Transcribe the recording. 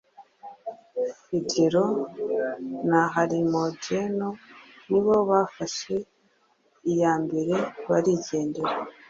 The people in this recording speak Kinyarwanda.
Fijelo na Harimojene nibo bafashe iya mbere barigendera.